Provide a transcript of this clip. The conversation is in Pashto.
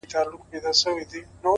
د خپل جېبه د سگريټو يوه نوې قطۍ وا کړه-